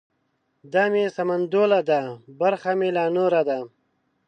ـ دا مې سمنډوله ده برخه مې لا نوره ده.